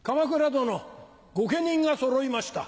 殿御家人がそろいました。